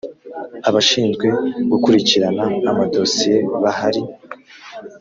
Abashinzwe gukurikirana amadosiye bahari.